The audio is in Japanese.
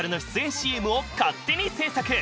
ＣＭを勝手に制作！